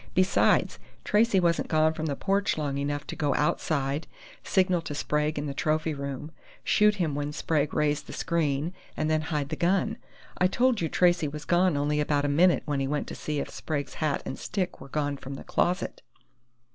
"Besides, Tracey wasn't gone from the porch long enough to go outside, signal to Sprague in the trophy room, shoot him when Sprague raised the screen, and then hide the gun. I told you Tracey was gone only about a minute when he went to see if Sprague's hat and stick were gone from the closet."